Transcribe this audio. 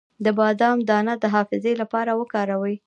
د بادام دانه د حافظې لپاره وکاروئ